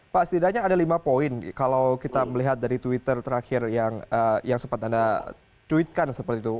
pak setidaknya ada lima poin kalau kita melihat dari twitter terakhir yang sempat anda cuitkan seperti itu